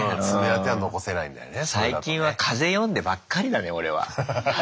最近は風読んでばっかりだね俺は。